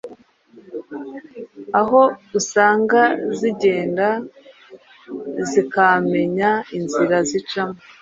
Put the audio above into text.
aho usanga zigenda zikamenya inzira zicamo